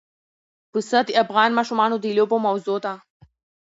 پسه د افغان ماشومانو د لوبو موضوع ده.